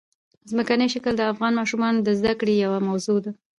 ځمکنی شکل د افغان ماشومانو د زده کړې یوه موضوع ده.